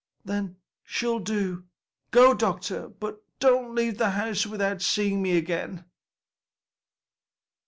then she'll do. Go, doctor, but don't leave the house without seeing me again."